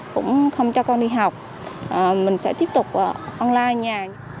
cũng không cho con đi học mình sẽ tiếp tục online nhà